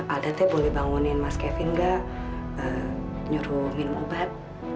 ada teh boleh bangunin mas kevin nggak nyuruh minum obat